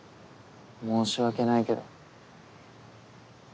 申し訳ないけど。